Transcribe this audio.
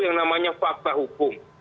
yang namanya fakta hukum